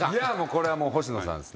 これは星野さんですね。